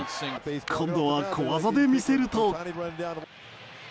今度は小技で見せると。